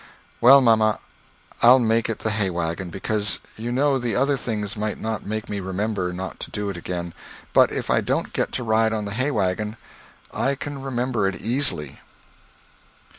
"Well, mamma, I'll make it the hay wagon, because you know the other things might not make me remember not to do it again, but if I don't get to ride on the hay wagon I can remember it easily."